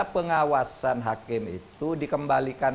pengawasan hakim itu dikembalikan